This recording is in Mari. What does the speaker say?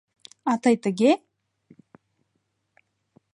А тый тыге?